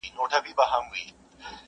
چي د وخت له تاریکیو را بهر سي,